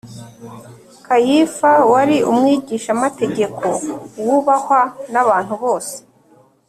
Kayifa wari umwigishamategeko wubahwa n’abantu bose